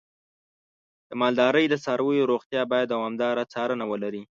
د مالدارۍ د څارویو روغتیا باید دوامداره څارنه ولري.